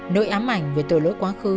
nỗi ám ảnh về tội lỗi quá khứ